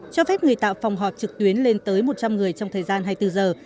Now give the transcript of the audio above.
cho phép người tạo phòng họp trực tuyến lên tới một trăm linh người trong thời gian hai mươi bốn giờ